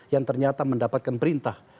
yang ternyata mendapatkan perintah